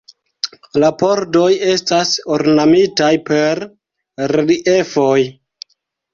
La pordoj estas ornamitaj per reliefoj.